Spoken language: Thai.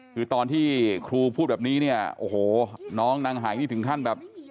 คือตอนที่ครูพูดแบบนี้เนี่ยโอ้โหน้องนางหายนี่ถึงขั้นแบบ